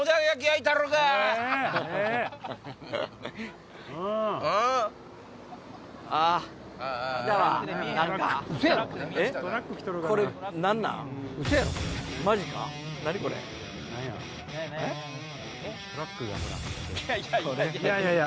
いやいやいやいや！